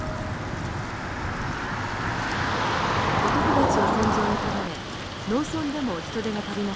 男たちを戦場に取られ農村でも人手が足りなくなります。